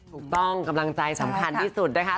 กำลังใจสำคัญที่สุดนะคะ